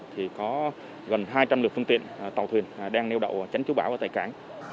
thì có gần hai trăm linh lực phương tiện tàu thuyền đang nêu đậu tránh trú bão ở tại cảng